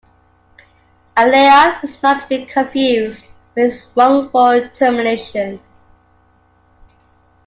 A layoff is not to be confused with wrongful termination.